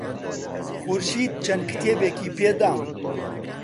خورشید چەند کتێبێکی پێدام.